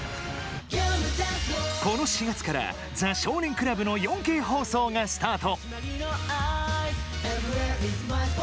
この４月から「ザ少年倶楽部」の ４Ｋ 放送がスタート。